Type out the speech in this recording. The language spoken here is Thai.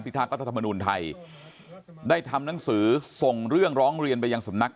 ทักษ์รัฐธรรมนุนไทยได้ทำหนังสือส่งเรื่องร้องเรียนไปยังสำนัก